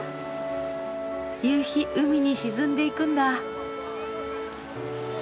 夕日海に沈んでいくんだ。